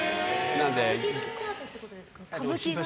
歌舞伎スタートってことですか？